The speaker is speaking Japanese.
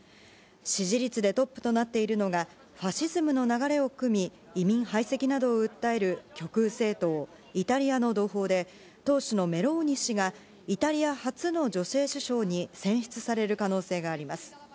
支持率でトップとなっているのが、ファシズムの流れをくみ、移民排斥などを訴える、極右政党、イタリアの同胞で、党首のメローニ氏が、イタリア初の女性首相に選出される可能性があります。